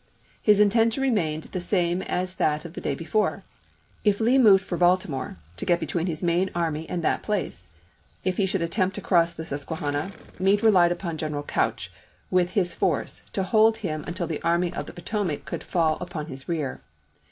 His intention remained the same as that of the day before : if Lee moved for Baltimore, to get between his main army and that place; if he should attempt to cross the Susque hanna, Meade relied upon General Couch, with his force, to hold him until the Army of the Potomac could fall upon his rear.